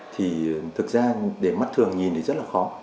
thì thực ra để mắt thường nhìn thì rất là khó